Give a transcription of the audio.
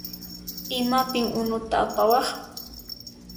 Imapin unuta apawaq?